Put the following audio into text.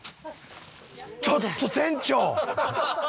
ちょっと店長！